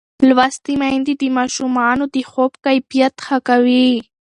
لوستې میندې د ماشومانو د خوب کیفیت ښه کوي.